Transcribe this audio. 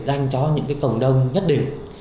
danh cho những cái cộng đồng nhất định